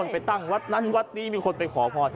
ไปตั้งวัดนั้นวัดนี้มีคนไปขอพร